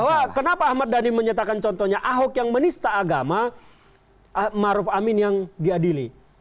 bahwa kenapa ahmad dhani menyatakan contohnya ahok yang menista agama maruf amin yang diadili